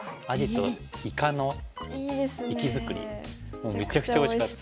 もうめちゃくちゃおいしかった。